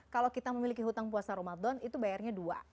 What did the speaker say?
kalau kita memiliki hutang puasa ramadan itu bayarnya dua